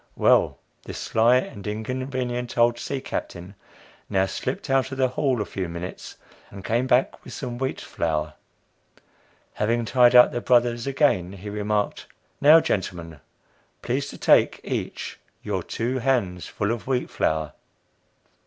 Well, this sly and inconvenient old sea captain now slipped out of the hall a few minutes, and came back with some wheat flour. Having tied up the "brothers" again, he remarked: "Now, gentlemen, please to take, each, your two hands full of wheat flour."